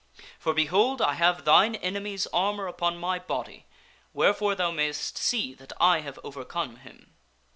For, behold ! I have thine enemy's armor upon my body, wherefore thou mayst see that I have overcome him.